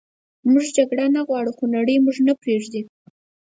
موږ جګړه نه غواړو خو نړئ مو نه پریږدي